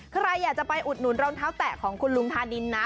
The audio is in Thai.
ใครอยากจะไปอุดหนุนรองเท้าแตะของคุณลุงธานินนะ